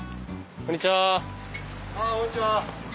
こんにちは。